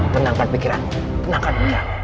menangkan pikiranmu menangkan duniamu